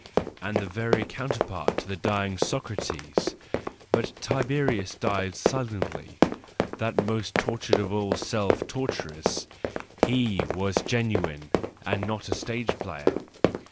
And the very counterpart to the dying Socrates!—But Tiberius died silently, that most tortured of all self torturers,— he was genuine and not a stage player